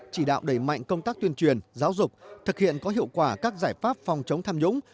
chỉ đạo đẩy mạnh công tác tuyên truyền giáo dục thực hiện có hiệu quả các giải pháp phòng chống tham nhũng